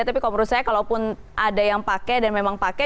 tapi kalau menurut saya kalaupun ada yang pakai dan memang pakai